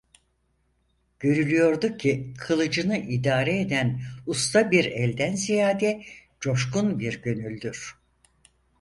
Görülüyordu ki, kılıcını idare eden usta bir elden ziyade coşkun bir gönüldür.